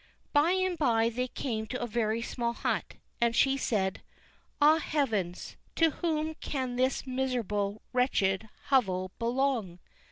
By and by they came to a very small hut, and she said: "Ah, heavens, to whom can this miserable, wretched hovel belong?"